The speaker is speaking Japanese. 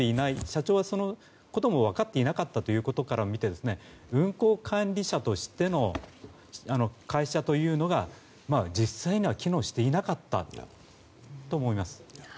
社長は、そのことも分かっていなかったことから見て運航管理者としての会社というのが実際には機能していなかったと思います。